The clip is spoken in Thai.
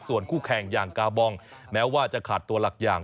ส่วนคู่แข่งอย่างกาบองแม้ว่าจะขาดตัวหลักอย่าง